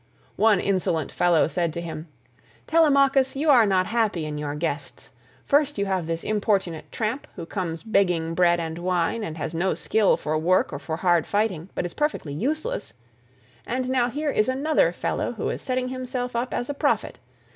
One insolent fellow said to him, "Telemachus, you are not happy in your guests; first you have this importunate tramp, who comes begging bread and wine and has no skill for work or for hard fighting, but is perfectly useless, and now here is another fellow who is setting himself up as a prophet.